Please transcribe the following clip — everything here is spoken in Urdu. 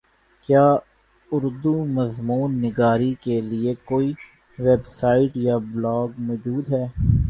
کیا اردو مضمون نگاری کیلئے کوئ ویبسائٹ یا بلاگ موجود ہے